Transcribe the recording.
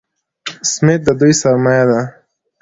سمت د دوی سرمایه ده.